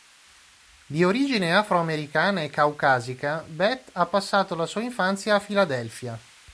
Di origine afro-americana e caucasica, Bette ha passato la sua infanzia a Philadelphia.